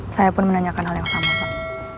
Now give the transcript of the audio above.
saya pun menanyakan hal yang sama pak